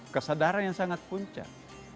kesadaran yang sangat puncak